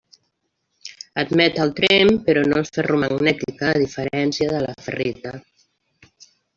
Admet el tremp, però no és ferromagnètica, a diferència de la ferrita.